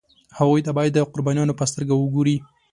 هغوی ته باید د قربانیانو په سترګه وګوري.